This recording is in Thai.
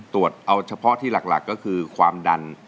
ตรวจเอาเฉพาะที่หลักก็คือความดัน